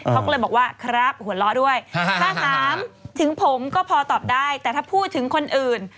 เขาก็เลยบอกว่าครับหัวเราะด้วยถ้าถามถึงผมก็พอตอบได้แต่ถ้าพูดถึงคนอื่น